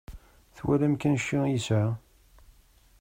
Twalam kan cci i yesɛa.